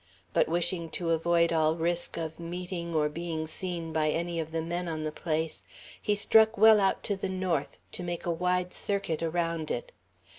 But, wishing to avoid all risk of meeting or being seen by any of the men on the place, he struck well out to the north, to make a wide circuit around it.